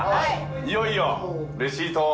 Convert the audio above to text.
いよいよレシートを。